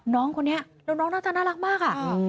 น้องคนนี้น้องน่ารักมาก